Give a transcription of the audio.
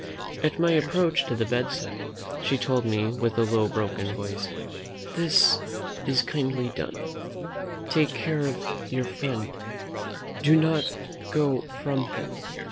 At my approach to the bedside, she told me, with a low broken voice, "This is kindly done take care of your friend do not go from him!"